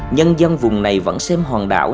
nhân dân vùng này vẫn xem hoàng đảo